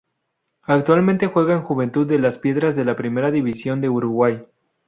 Actualmente juega en Juventud de Las Piedras de la Primera División de Uruguay.